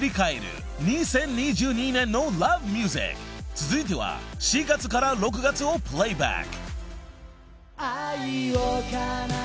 ［続いては４月から６月をプレーバック］